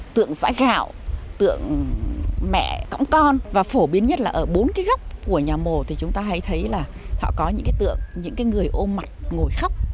tượng mẹ cõng con và phổ biến nhất là ở bốn cái góc của nhà mồ thì chúng ta hay thấy là họ có những cái tượng những cái người ôm mặt ngồi khóc